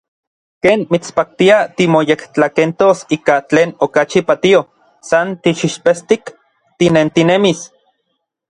Ken mitspaktia timoyektlakentos ika tlen okachi patio, san tixipestik tinentinemis.